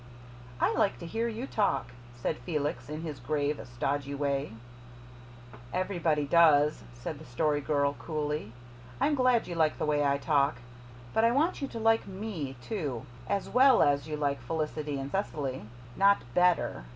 "I like to hear you talk," said Felix in his grave, stodgy way. "Everybody does," said the Story Girl coolly. "I'm glad you like the way I talk. But I want you to like ME, too AS WELL as you like Felicity and Cecily. Not BETTER.